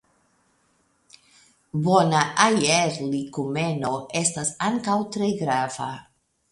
Bona aerlikumeno estas ankaŭ tre grava.